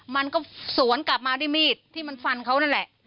มันก็สวนกลับมาด้วยมีดที่มันฟันเขานั่นแหละ